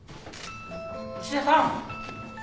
牛田さん